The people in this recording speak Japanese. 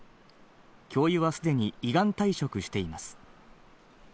教諭はすでに依願退職しています。